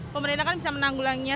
pemerintah kan bisa menanggulanginya